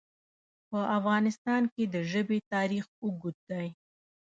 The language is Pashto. په افغانستان کې د ژبې تاریخ اوږد دی.